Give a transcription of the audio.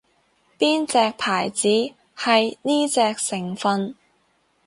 邊隻牌子係呢隻成份